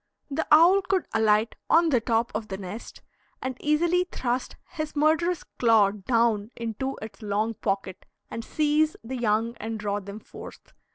The owl could alight on the top of the nest, and easily thrust his murderous claw down into its long pocket and seize the young and draw them forth.